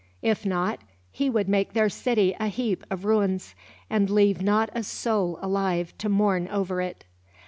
If not, he would make their city a heap of ruins, and leave not a soul alive to mourn over it.